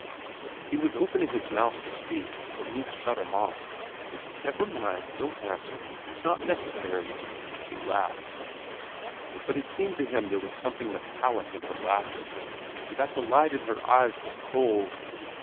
He was opening his mouth to speak, but Ruth shut him off. "Never mind, don't answer; it's not necessary," she laughed. But it seemed to him there was something metallic in her laughter, and that the light in her eyes was cold.